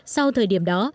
sau thời điểm đó